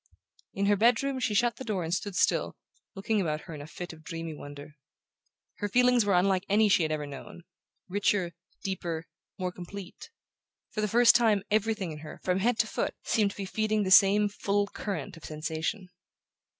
In her bedroom she shut the door and stood still, looking about her in a fit of dreamy wonder. Her feelings were unlike any she had ever known: richer, deeper, more complete. For the first time everything in her, from head to foot, seemed to be feeding the same full current of sensation.